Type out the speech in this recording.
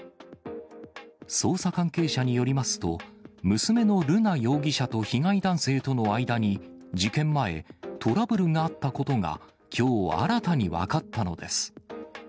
捜査関係者によりますと、娘の瑠奈容疑者と被害男性との間に、事件前、トラブルがあったことがきょう新たに分かったのです。